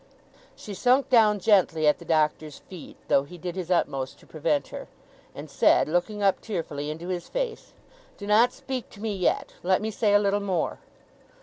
She sunk down gently at the Doctor's feet, though he did his utmost to prevent her; and said, looking up, tearfully, into his face: 'Do not speak to me yet! Let me say a little more!